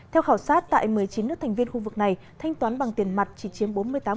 theo khảo sát tại một mươi chín nước thành viên khu vực này thanh toán bằng tiền mặt chỉ chiếm bốn mươi tám